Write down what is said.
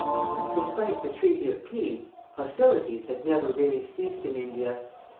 Despite the treaty of peace, hostilities had never really ceased in India.